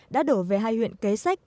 đã đổ về hai huyện kế sách